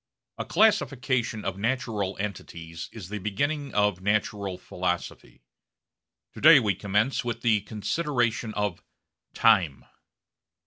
A classification of natural entities is the beginning of natural philosophy. To day we commence with the consideration of Time.